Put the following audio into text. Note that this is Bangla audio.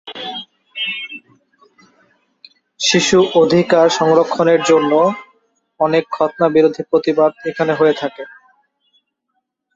শিশু-অধিকার সংরক্ষনের জন্য অনেক খৎনা বিরোধী প্রতিবাদ এখানে হয়ে থাকে।